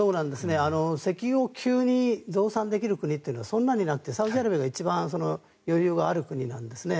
石油を急に増産できる国はそんなになくてサウジアラビアが一番余裕がある国なんです。